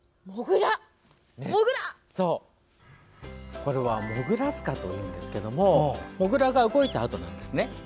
これはモグラ塚というんですがモグラが動いた跡なんです。